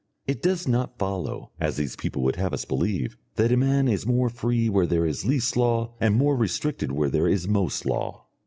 It does not follow, as these people would have us believe, that a man is more free where there is least law and more restricted where there is most law.